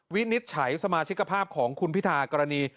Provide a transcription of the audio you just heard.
วินิจฉัยสมาชิกภาพของคุณพิธากรณี